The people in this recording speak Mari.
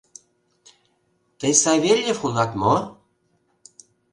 Тый Савельев улат мо?